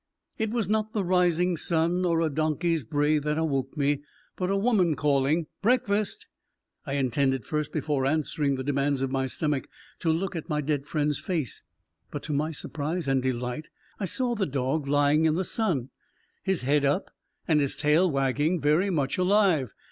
It was not the rising sun or a donkey's bray that awoke me, but a woman calling, "Breakfast!" I intended first before answering the demands of my stomach, to look at my dead friend's face, but to my surprise and delight I saw the dog lying in the sun, his head up and his tail wagging, very much alive.